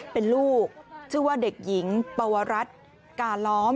เป็นลูกชื่อว่าเด็กหญิงปวรัฐกาล้อม